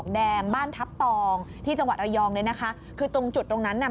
แดงบ้านทัพตองที่จังหวัดระยองเลยนะคะคือตรงจุดตรงนั้นน่ะ